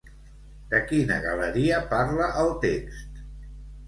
De quina galeria parla el text?